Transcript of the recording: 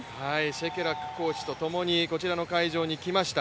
シェケラックコーチとともにこちらの会場に来ました。